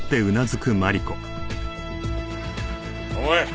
おい！